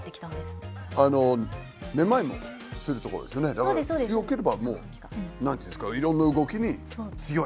だから強ければもう何て言うんですかいろんな動きに強い。